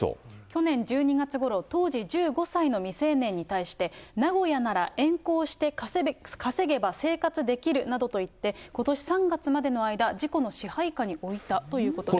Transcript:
去年１２月ごろ、当時１５歳の未成年に対して、名古屋なら援交して稼げば生活できるなどと言って、ことし３月までの間、自己の支配下に置いたということです。